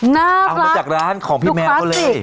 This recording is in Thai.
น่ารักออกมาจากร้านของพี่แมวเขาเลย